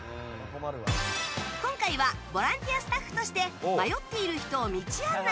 今回はボランティアスタッフとして迷っている人を道案内。